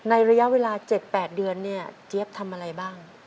ระยะเวลา๗๘เดือนเนี่ยเจี๊ยบทำอะไรบ้าง